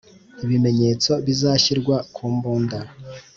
Ibimenyetso bizashyirwa ku mbunda